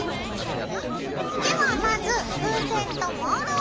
ではまず風船とモールを選びます。